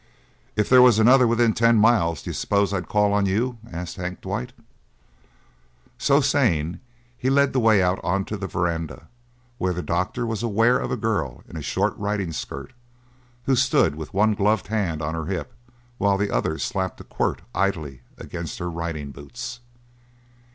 "If they was another within ten miles, d'you s'pose I'd call on you?" asked Hank Dwight. So saying, he led the way out onto the veranda, where the doctor was aware of a girl in a short riding skirt who stood with one gloved hand on her hip while the other slapped a quirt idly against her riding boots.